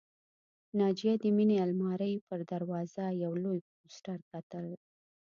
ناجیه د مينې د آلمارۍ پر دروازه یو لوی پوسټر کتل